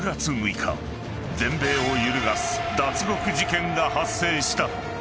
［全米を揺るがす脱獄事件が発生した］